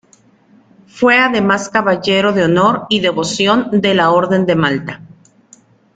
Fue además caballero de honor y devoción de la Orden de Malta.